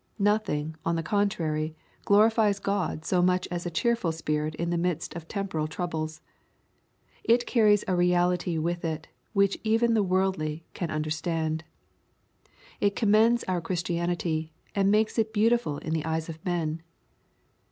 Nothing, on the contrary, glorifies God so much as a cheerful spirit in the midst of temporal troubles. It carries a reality with it which even the worldly can un derstand. It commends our Christianity, and makes it beautiful in the eyes of men.